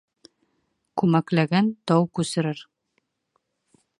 Күмәкләгән тау күсерер.